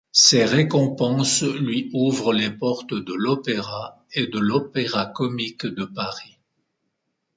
Ces récompenses lui ouvrent les portes de l’Opéra et de l’Opéra Comique de Paris.